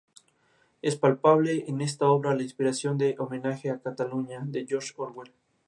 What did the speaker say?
Todas las canciones compuestas por Roy Orbison excepto donde se anota.